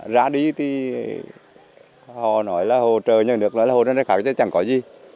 ra đi thì họ nói là hồ trời nhà nước đó là hồ trời nhà nước khác chẳng có gì